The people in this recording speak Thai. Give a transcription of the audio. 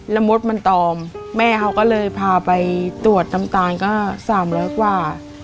แล้วมดมันตอมแม่เขาก็เลยพาไปตรวจน้ำตาลก็๓๐๐กว่า